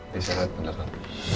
di syarat pendekat